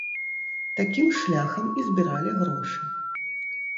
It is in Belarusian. Такім шляхам і збіралі грошы.